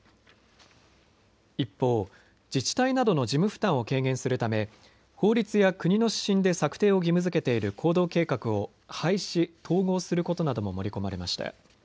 一方、自治体などの事務負担を軽減するため法律や国の指針で策定を義務づけている行動計画を廃止・統合することなども盛り込まれました。